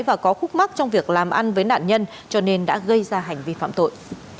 và có khúc mắc trong việc làm ăn với nạn nhân cho nên đã gây ra hành vi phạm tội